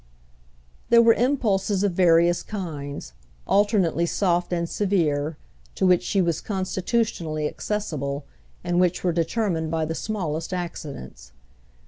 There were impulses of various kinds, alternately soft and severe, to which she was constitutionally accessible and which were determined by the smallest accidents.